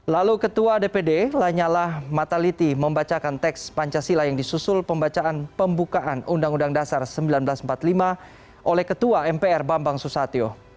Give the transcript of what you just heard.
lalu ketua dpd lanyala mataliti membacakan teks pancasila yang disusul pembacaan pembukaan undang undang dasar seribu sembilan ratus empat puluh lima oleh ketua mpr bambang susatyo